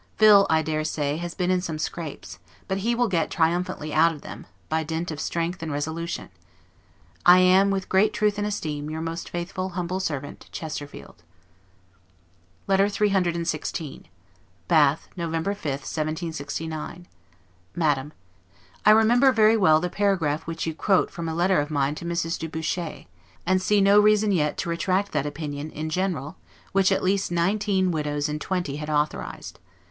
Phil, I dare say, has been in some scrapes; but he will get triumphantly out of them, by dint of strength and resolution. I am, with great truth and esteem, your most faithful, humble servant, CHESTERFIELD. LETTER CCCXVI BATH, November 5, 1769. MADAM: I remember very well the paragraph which you quote from a letter of mine to Mrs. du Bouchet, and see no reason yet to retract that opinion, in general, which at least nineteen widows in twenty had authorized.